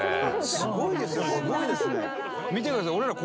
すごいですね。